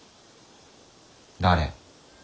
誰？